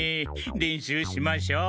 練習しましょう。